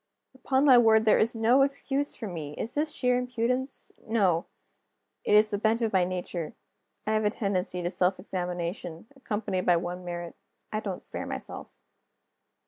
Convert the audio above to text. Upon my word, there is no excuse for me! Is this sheer impudence? No; it is the bent of my nature. I have a tendency to self examination, accompanied by one merit I don't spare myself.